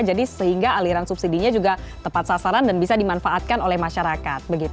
jadi sehingga aliran subsidi nya juga tepat sasaran dan bisa dimanfaatkan oleh masyarakat